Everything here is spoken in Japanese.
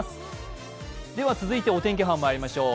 続いてお天気班まいりましょう。